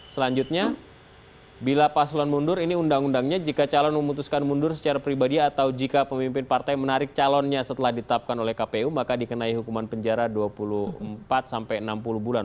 selanjutnya bila paslon mundur ini undang undangnya jika calon memutuskan mundur secara pribadi atau jika pemimpin partai menarik calonnya setelah ditetapkan oleh kpu maka dikenai hukuman penjara dua puluh empat sampai enam puluh bulan